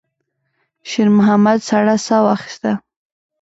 شېرمحمد سړه ساه واخيسته.